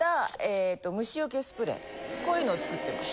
こういうのを作ってます。